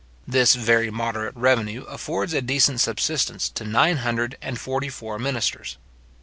This very moderate revenue affords a decent subsistence to nine hundred and forty four ministers.